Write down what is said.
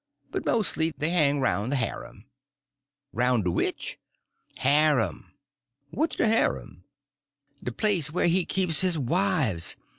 But mostly they hang round the harem." "Roun' de which?" "Harem." "What's de harem?" "The place where he keeps his wives.